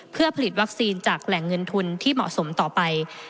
เพื่อผลิตวัคซีนจากแหล่งเงินทุนที่เหมาะสมต่อไป